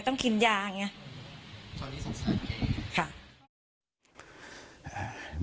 ตอนนี้สงสารแก